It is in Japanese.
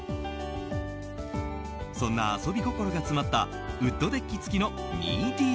そんな遊び心が詰まったウッドデッキ付きの２ＤＫ。